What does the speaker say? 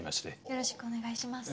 よろしくお願いします。